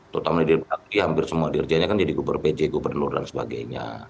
terutama diri pak jokowi hampir semua dirjennya kan jadi gubernur dan sebagainya